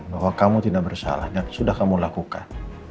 bahwa kamu tidak bersalah dan sudah kamu lakukan